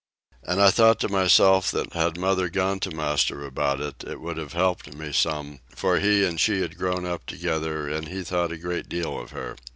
And I thought to myself that had mother gone to master about it, it would have helped me some, for he and she had grown up together and he thought a great deal of her.